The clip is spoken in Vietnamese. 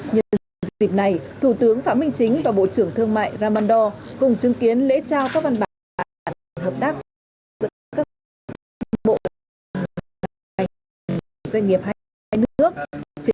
nhân dự dịp này thủ tướng phạm minh chính và bộ trưởng thương mại ramando cùng chứng kiến lễ trao các văn bản và hợp tác giữa các doanh nghiệp hay nước